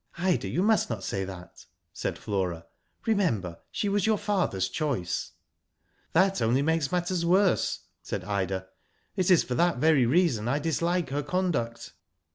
" Ida, you must not say that," said Flora. " Remember, she was your father's choice. "That only makes matters worse," said Ida. '* It is for that very reason I dislike her conduct."